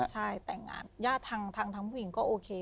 ใช่แต่งงานญาติทางผู้หญิงก็โอเค